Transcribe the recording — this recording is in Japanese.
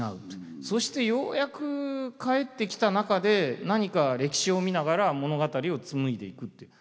そしてようやく帰ってきた中で何か歴史を見ながら物語を紡いでいくっていう。